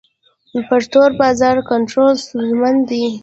پر تور بازار کنټرول ستونزمن دی.